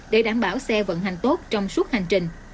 để đảm bảo xe vận hành tốt trong suốt hành trình